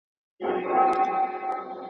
ولاړل د فتح سره برېتونه د شپېلیو.